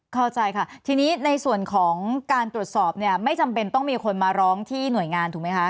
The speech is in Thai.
เข้าใจค่ะทีนี้ในส่วนของการตรวจสอบเนี่ยไม่จำเป็นต้องมีคนมาร้องที่หน่วยงานถูกไหมคะ